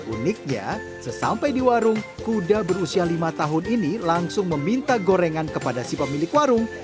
uniknya sesampai di warung kuda berusia lima tahun ini langsung meminta gorengan kepada si pemilik warung